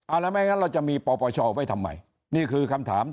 แล้วไม่งั้นเราจะมีปปชไว้ทำไมนี่คือคำถาม